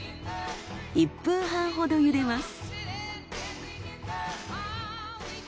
１分半ほど茹でます。